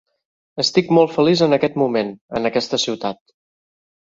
Estic molt feliç en aquest moment, en aquesta ciutat.